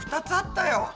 ２つあったよ。